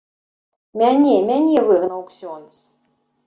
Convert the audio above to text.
Мяне, мяне выгнаў ксёндз.